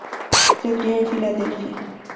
Se crio en Filadelfia.